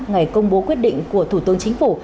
ngày công bố quyết định của thủ tướng chính phủ